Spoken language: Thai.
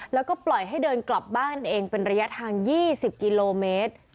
แล้วก็ปล่อยให้เดินกลับบ้านเองเป็นระยะทาง๒๐กิโลเมตร